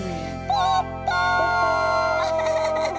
ポッポー！